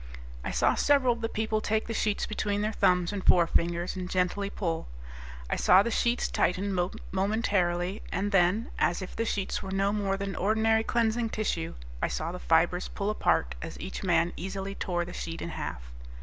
I saw several of the people take the sheets between their thumbs and forefingers, and gently pull. I saw the sheets tighten momentarily, and then as if the sheets were no more than ordinary cleansing tissue I saw the fibers pull apart as each man easily tore the sheet in half.